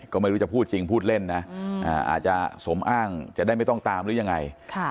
ก็ไม่รู้จะพูดจริงพูดเล่นนะอาจจะสมอ้างจะได้ไม่ต้องตามหรือยังไง